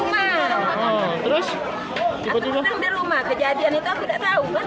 kita di rumah kejadian itu aku tidak tahu